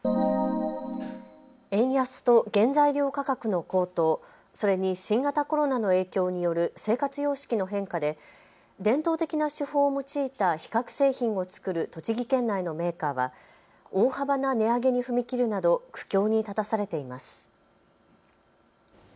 円安と原材料価格の高騰、それに新型コロナの影響による生活様式の変化で伝統的な手法を用いた皮革製品を作る栃木県内のメーカーは大幅な値上げに踏み切るなど苦境に立たされています。